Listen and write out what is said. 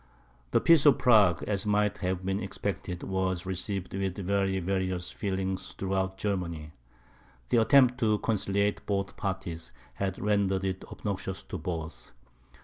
The peace of Prague, as might have been expected, was received with very various feelings throughout Germany. The attempt to conciliate both parties, had rendered it obnoxious to both.